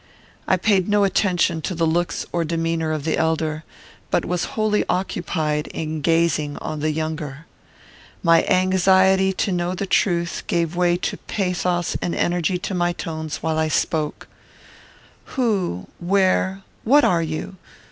I paid no attention to the looks or demeanour of the elder, but was wholly occupied in gazing on the younger. My anxiety to know the truth gave pathos and energy to my tones while I spoke: "Who, where, what are you?